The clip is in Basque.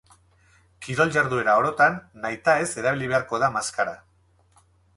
Kirol-jarduera orotan, nahitaez erabili beharko da maskara.